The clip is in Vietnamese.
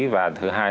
và thứ hai